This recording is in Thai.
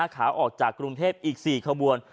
ขาออกจากกรุงเทพอีก๔ขบวน